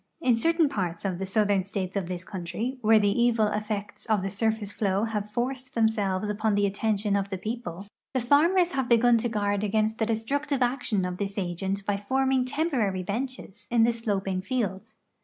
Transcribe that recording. In certain parts of the southern states of this countrv, where the evil effects of the surface flow have forced themselves upon the attention of the ])eo])le, the farmers have begun to guard against the destructive action of this agent liy forming temporary benches in the sloping fields.